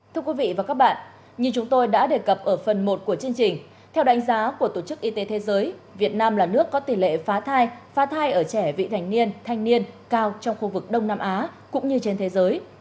thưa quý vị và các bạn như chúng tôi đã đề cập ở phần một của chương trình theo đánh giá của tổ chức y tế thế giới việt nam là nước có tỷ lệ phá thai phá thai ở trẻ vị thành niên thanh niên cao trong khu vực đông nam á cũng như trên thế giới